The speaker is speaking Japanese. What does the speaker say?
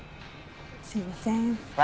すいません。